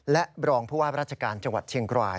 และรองผู้ว่าราชการจังหวัดเชียงราย